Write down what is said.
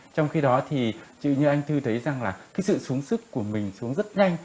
trong khi đó thì như anh thư thấy rằng là cái sự súng sức của mình xuống rất nhanh